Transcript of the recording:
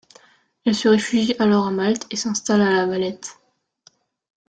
Elle se réfugie alors à Malte et s'installe à La Valette.